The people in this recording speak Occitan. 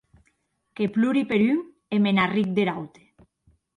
Que plori per un, e me n’arric der aute.